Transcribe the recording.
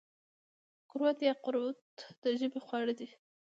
کورت یا قروت د ژمي خواړه دي.